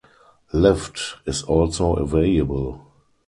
Lift is also available.